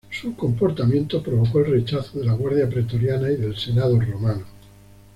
Su comportamiento provocó el rechazo de la Guardia Pretoriana y del Senado romano.